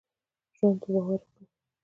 ژوند په باور وکړهٔ.